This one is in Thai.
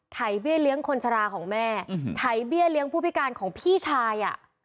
ไเบี้ยเลี้ยงคนชะลาของแม่ไถเบี้ยเลี้ยงผู้พิการของพี่ชายอ่ะ